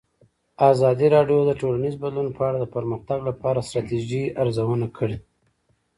ازادي راډیو د ټولنیز بدلون په اړه د پرمختګ لپاره د ستراتیژۍ ارزونه کړې.